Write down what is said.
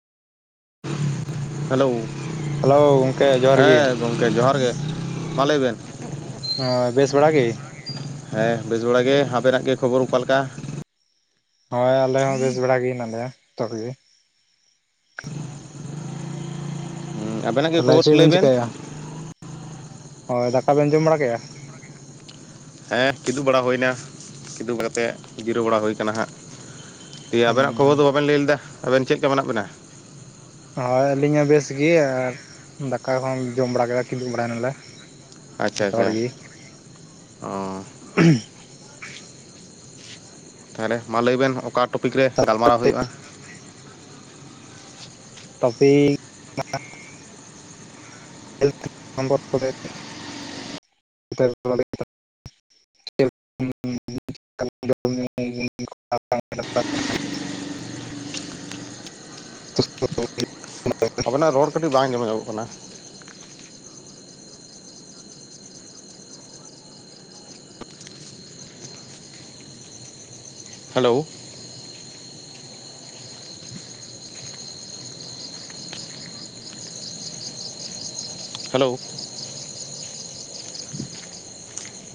Hello hello ᱜᱚᱝᱠᱮ ᱡᱚᱦᱟᱨ ᱜᱮ ᱦᱮᱸ ᱜᱚᱝᱠᱮ ᱡᱚᱦᱟᱨ ᱜᱮ᱾ ᱢᱟ ᱞᱟᱹᱭ ᱵᱮᱱ᱾ ᱦᱳᱭ ᱵᱮᱥ ᱵᱟᱲᱟ ᱜᱮ? ᱦᱮᱸ ᱵᱮᱥ ᱵᱟᱲᱟ ᱜᱮ, ᱟᱵᱮᱱᱟᱜ ᱜᱮ ᱠᱷᱚᱵᱚᱨ ᱚᱠᱟ ᱞᱮᱠᱟ? ᱦᱳᱭ ᱟᱞᱮ ᱦᱚᱸ ᱵᱮᱥ ᱵᱟᱲᱟ ᱜᱮ ᱦᱮᱱᱟᱜ ᱞᱮᱭᱟ ᱡᱚᱛᱚ ᱠᱚᱜᱮ᱾ ᱦᱩᱸ, ᱟᱵᱮᱱᱟᱜ ᱜᱮ ᱛᱟᱦᱚᱞᱮ ᱠᱷᱚᱵᱚᱨ ᱪᱮᱜ ᱞᱟᱹᱭ ᱵᱤᱱ ᱵᱮᱱ ᱪᱤᱠᱟᱭᱮᱜᱼᱟ ᱦᱳᱭ ᱫᱟᱠᱟ ᱵᱮᱱ ᱡᱚᱢ ᱵᱟᱲᱟ ᱠᱮᱜᱼᱟ? ᱦᱮᱸ ᱠᱤᱫᱩᱜ ᱵᱟᱲᱟ ᱦᱩᱭᱱᱟ ᱠᱤᱫᱩᱵ ᱠᱟᱛᱮᱜ ᱡᱤᱨᱟᱹ ᱵᱟᱲᱟ ᱦᱩᱭ ᱠᱟᱱᱟ ᱦᱟᱸᱜ᱾ ᱫᱤᱭᱮ ᱟᱵᱮᱱᱟᱜ ᱠᱷᱚᱵᱚᱨ ᱦᱩᱸ ᱫᱚ ᱵᱟᱵᱮᱱ ᱞᱮᱭ ᱞᱮᱫᱟ ᱟᱵᱮᱱ ᱪᱮᱜ ᱞᱮᱠᱟ ᱢᱮᱱᱟᱜ ᱵᱮᱱᱟ? ᱦᱳᱭ ᱟᱹᱞᱤᱧ ᱦᱚᱸ ᱵᱮᱥᱜᱮ ᱟᱨ ᱫᱟᱠᱟ ᱠᱚᱦᱚ ᱡᱚᱢ ᱵᱟᱲᱟ ᱠᱮᱫᱟ ᱠᱤᱫᱩᱵᱽ ᱵᱟᱲᱟᱭᱮᱱᱟᱞᱮ᱾ ᱟᱪᱪᱷᱟ ᱟᱪᱪᱷᱟ ᱚ [unintelligible] ᱛᱟᱦᱚᱞᱮ ᱢᱟ ᱞᱟᱹᱭ ᱵᱮᱱ ᱚᱠᱟ ᱴᱚᱯᱤᱠ ᱨᱮ ᱜᱟᱞᱢᱟᱨᱟᱣ ᱦᱩᱭᱩᱜᱼᱟ? [unintelligible] ᱴᱚᱯᱤᱠ [unintelligible] [unintelligible] [unintelligible] ᱟᱵᱮᱱᱟᱜ ᱨᱚᱲ ᱠᱟᱹᱴᱤᱡ ᱵᱟᱝ [unintelligible] ᱠᱟᱱᱟ ᱦᱮᱞᱳ᱾ ᱦᱮᱞᱳ ᱾